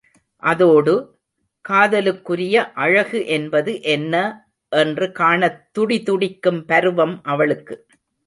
அதோடு, காதலுக்குரிய அழகு என்பது என்ன! என்று காணத் துடிதுடிக்கும் பருவம் அவளுக்கு.